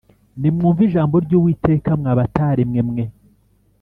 Nimwumve ijambo ry’Uwiteka, mwa batwaremwe